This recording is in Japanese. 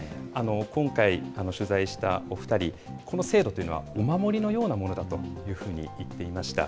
今回、取材したお２人、この制度というのは、お守りのようなものだというふうに言っていました。